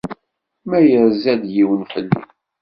Ma yerza-d yiwen fell-i.